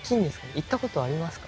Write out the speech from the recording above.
行ったことありますか？